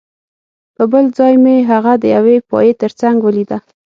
په بل ځل مې هغه د یوې پایې ترڅنګ ولیده